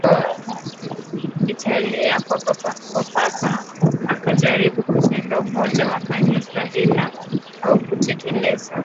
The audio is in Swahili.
Italia kwa Papa akajaribu kujenga umoja wa Kanisa ila haukutekelezwa